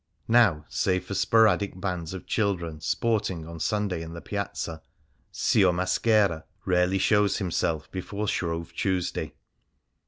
Now, save for sporadic bands of children sport ing on Sunday in the Piazza, " Sior Maschera "^ rarely shows himself before Shrove Tuesday.